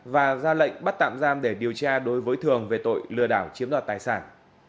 và ra lệnh bắt tạm giam để điều tra đối với thường về tội lừa đảo chiếm đoạt tài sản